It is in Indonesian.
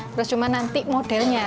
terus cuma nanti modelnya